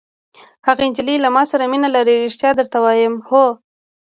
هغه نجلۍ له ما سره مینه لري! ریښتیا درته وایم. هو.